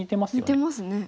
似てますね。